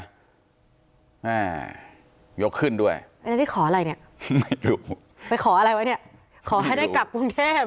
อ่ายกขึ้นด้วยอันนี้ขออะไรเนี่ยไม่อยู่ไปขออะไรไว้เนี่ยขอให้ได้กลับกรุงเทพ